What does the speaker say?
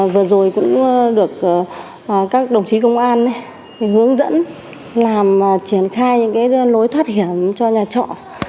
vừa rồi cũng được các đồng chí công an hướng dẫn làm triển khai những lối thoát hiểm cho nhà trọ